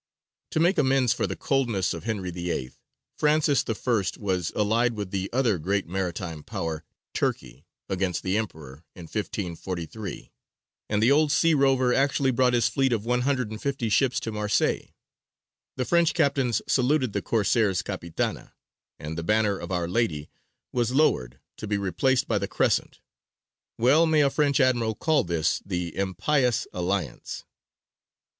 To make amends for the coldness of Henry VIII., Francis I. was allied with the other great maritime power, Turkey, against the Emperor, in 1543; and the old sea rover actually brought his fleet of one hundred and fifty ships to Marseilles. The French captains saluted the Corsair's capitana, and the banner of Our Lady was lowered to be replaced by the Crescent. Well may a French admiral call this "the impious alliance."